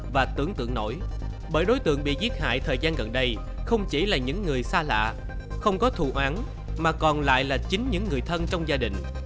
bởi đối tượng bị giết hại thời gian gần đây không chỉ là những người xa lạ không có thù án mà còn lại là chính những người thân trong gia đình